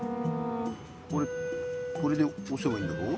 これでおせばいいんだろ？